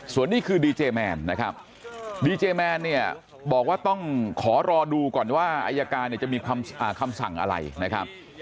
ส่วนนี้คือดีเจแมนนะครับดีเจแมนเนี่ยบอกว่าต้องขอรอดูก่อนว่าอายการเนี่ยจะมีคำสั่งอะไรนะครับ